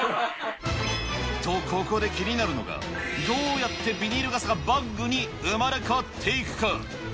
と、ここで気になるのが、どうやってビニール傘がバッグに生まれ変わっていくか。